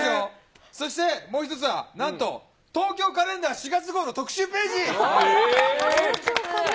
そしてもう１つは、なんと東京カレンダー４月号の特集ページ。